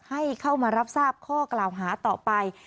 ให้เข้ามารับทราบข้อกล่าวหาต่อไป